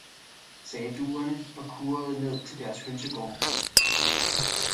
sagde duerne, og kurrede ned til deres hønsegård.